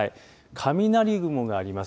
雷雲があります。